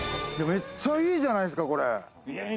めっちゃいいじゃないですかこれ。